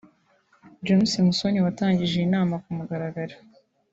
James Musoni watangije iyi nama ku mugaragaro